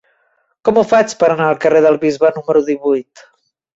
Com ho faig per anar al carrer del Bisbe número divuit?